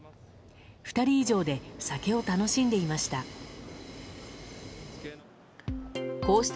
２人以上で酒を楽しんでいました。